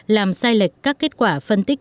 làm sai lệch các kết quả phân tích